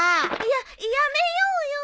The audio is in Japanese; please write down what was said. ややめようよ。